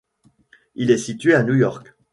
Il est situé à New York.